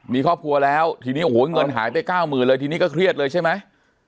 มีครอบครัวแล้วทีนี้เงินหายไป๙๐๐๐๐เลยทีนี้ก็เครียดเลยใช่ไหม